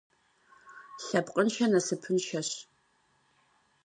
Лъэпкъыншэ насыпыншэщ.